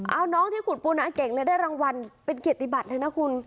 เอาน้องที่ขุดปูนาเก่งได้รางวัลเป็นเกียรติบัตรเลยนะคุณ